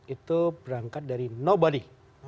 itu berangkat dari nobody